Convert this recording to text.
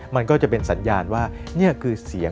มันก็จะเป็นสัญญาณว่านี่คือเสียง